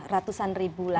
ratusan ribu lah mungkin